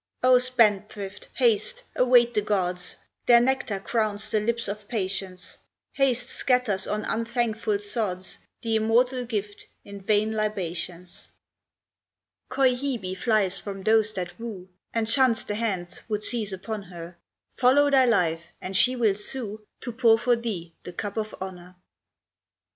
O spendthrift, haste! await the Gods; Their nectar crowns the lips of Patience; Haste scatters on unthankful sods The immortal gift in vain libations. Coy Hebe flies from those that woo, And shuns the hands would seize upon her, Follow thy life, and she will sue To pour for thee the cup of honor.